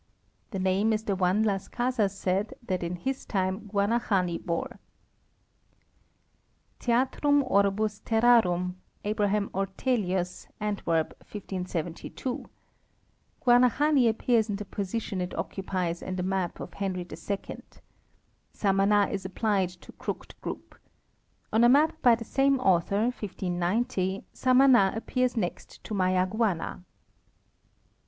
The name is the one Las Casas said that in his time Guanahani bore. THEATRUM OrsIs TerRARUM, Abraham Ortelius, Antwerp, 1572: Guana hani appears in the position it occupies on the map of HenryII. Samana is applied to Crooked group. Ona map by the same author, 1590, Samana appears next to Mayaguana.